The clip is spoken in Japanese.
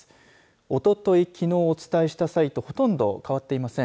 おととい、きのう、お伝えした際とほとんど変わっていません。